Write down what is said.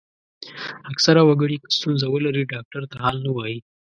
اکثره وګړي که ستونزه ولري ډاکټر ته حال نه وايي.